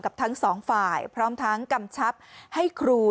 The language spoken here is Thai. ทั้งสองฝ่ายพร้อมทั้งกำชับให้ครู